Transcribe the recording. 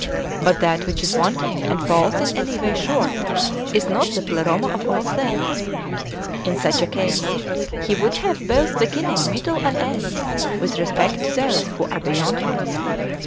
But that which is wanting, and falls in any way short, is not the Pleroma of all things. In such a case. He w^ould have both beginning, middle, and end, with respect to those who are beyond Him.